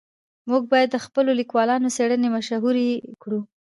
موږ باید د خپلو لیکوالانو څېړنې مشهورې کړو.